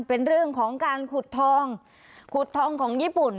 เป็นเรื่องของการขุดทองขุดทองของญี่ปุ่น